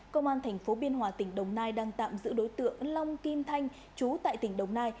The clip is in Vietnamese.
công an thành phố biên hòa tỉnh đồng nai đang tạm giữ đối tượng long kim thanh chú tại tỉnh đồng nai